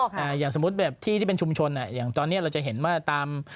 แต่อย่างสมมุติแบบที่ที่เป็นชุมชนอย่างตอนนี้เราจะเห็นว่าตาม